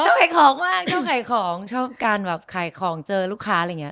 ขายของมากชอบขายของชอบการแบบขายของเจอลูกค้าอะไรอย่างนี้